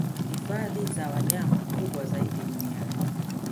Hifadhi za wanyama kubwa zaidi duniani